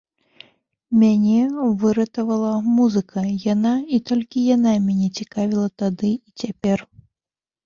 Мяне выратавала музыка, яна і толькі яна мяне цікавіла тады і цяпер.